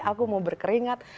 aku mau berkeringat